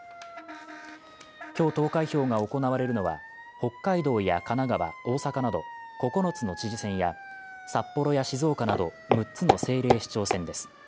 今日、投開票が行われるのは、北海道や神奈川、大阪など９つの知事選や、札幌や静岡など６つの政令市長選です。